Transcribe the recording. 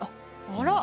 あら。